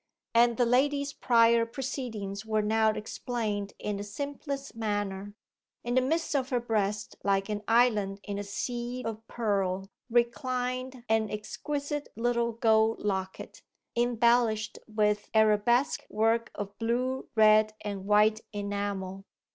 And the lady's prior proceedings were now explained in the simplest manner. In the midst of her breast, like an island in a sea of pearl, reclined an exquisite little gold locket, embellished with arabesque work of blue, red, and white enamel.